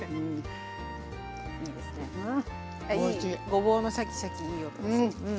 ごぼうのシャキシャキいい音がする。